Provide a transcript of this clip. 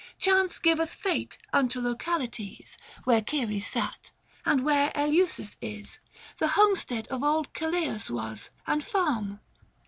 Chance giveth fate unto localities — Where Ceres sat, and where Eleusis is, The homestead of old Celeus was, and farm.